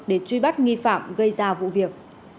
để truy bắt nghi phạm gây ra vụ việc